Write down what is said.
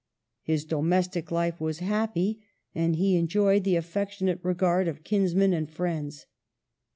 His domestic life was happy, and he enjoyed the affectionate regard of kinsmen and of friends.